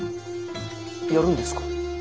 やるんですか？